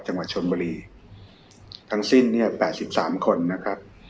จังหวัดชนบรีทั้งสิ้นเนี่ยแปดสิบสามคนนะครับ